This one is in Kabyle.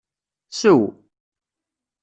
Sew!